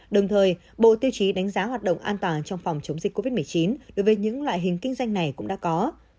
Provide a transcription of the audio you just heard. đồng thời bộ tiêu chí đánh giá hoạt động an toàn trong phòng chống dịch covid một mươi chín đối với những loại hình kinh doanh này cũng đã có